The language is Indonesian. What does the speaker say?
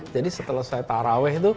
jadi setelah saya taraweh tuh